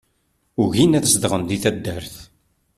Ugin ad zedɣen di taddart.